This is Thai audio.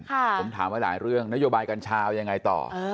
ผมถามไว้หลายเรื่องนโยบายกัญชาเอายังไงต่อ